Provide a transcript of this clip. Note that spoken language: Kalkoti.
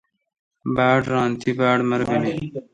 باڑ ران۔ تی باڑمربینی۔